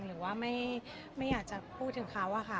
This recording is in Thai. หรือว่าไม่อยากจะพูดถึงเขาอะค่ะ